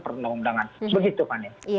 perundang undangan begitu fani